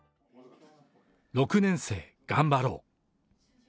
６年生、頑張ろう。